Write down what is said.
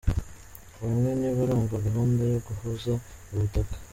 Bamwe ntibarumva gahunda yo guhuza ubutaka